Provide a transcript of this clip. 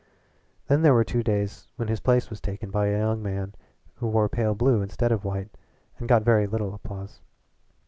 Then there were two days when his place was taken by a young man who wore pale blue instead of white, and got very little applause.